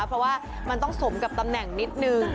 เพราะว่ามันต้องสมกับตำแหน่งนิดนึง